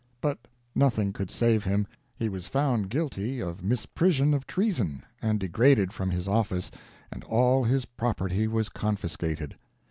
But nothing could save him; he was found guilty of misprision of treason, and degraded from his office, and all his property was confiscated.